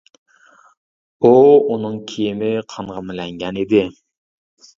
ئۇ ئۇنىڭ كىيىمى قانغا مىلەنگەن ئىدى.